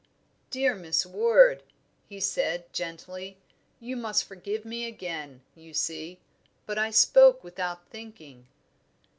"Dear Miss Ward," he said, gently, "you must forgive me again, you see; but I spoke without thinking."